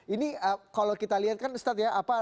ini kalau kita lihat kan ustadz ya